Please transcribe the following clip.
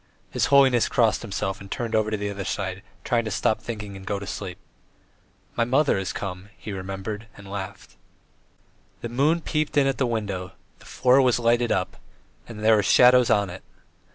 His holiness crossed himself and turned over on the other side, trying to stop thinking and go to sleep. "My mother has come," he remembered and laughed. The moon peeped in at the window, the floor was lighted up, and there were shadows on it.